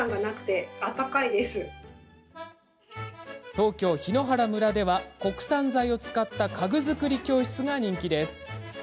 東京檜原村では国産材を使った家具作り教室が人気です。